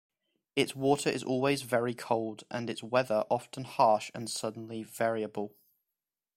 Its water is always very cold, and its weather often harsh and suddenly variable.